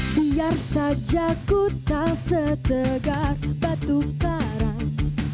biar saja ku tak setegar batu karam